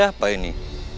ada apa ini